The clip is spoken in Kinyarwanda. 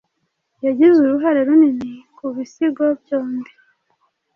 yagize uruhare runini ku bisigo byombi